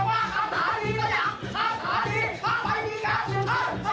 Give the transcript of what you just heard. จะตามถับหลุมเรือว่า